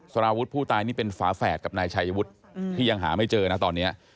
สารวุฒิผู้ตายนี่เป็นฝาแฝดกับนายชายวุฒิที่ยังหาไม่เจอนะตอนนี้